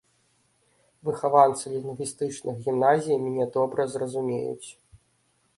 Выхаванцы лінгвістычных гімназій мяне добра зразумеюць.